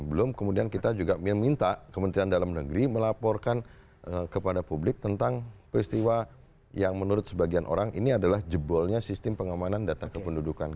belum kemudian kita juga minta kementerian dalam negeri melaporkan kepada publik tentang peristiwa yang menurut sebagian orang ini adalah jebolnya sistem pengamanan data kependudukan